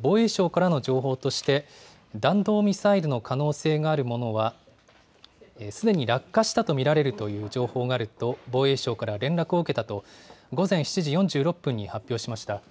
防衛省からの情報として、弾道ミサイルの可能性があるものはすでに落下したと見られるという情報があると、防衛省から連絡を受けたと午前７時４６分に発表しました。